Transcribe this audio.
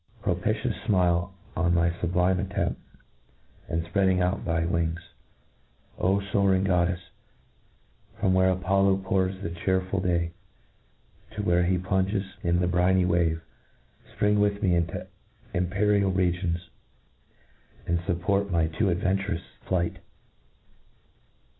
Propitious fmilc on my fublime attempt, and fpreading out thy wings, O foaring goddcfe } from where Apollo pours the chearful day, to where he plunges in the briny wave, fpring With me into the empyreal regions, and fupport my too adventurous flight.